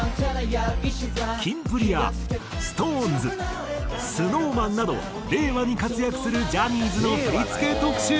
キンプリやＳｉｘＴＯＮＥＳＳｎｏｗＭａｎなど令和に活躍するジャニーズの振付特集。